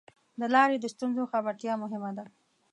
د لارې د ستونزو خبرتیا مهمه ده.